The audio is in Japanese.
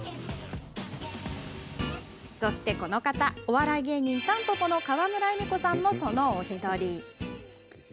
そして、この人お笑い芸人・たんぽぽの川村エミコさんも、その１人。